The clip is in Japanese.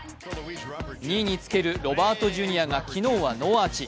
２位につけるロバート・ジュニアが昨日はノーアーチ。